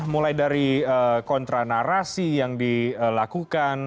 mulai dari kontra narasi yang dilakukan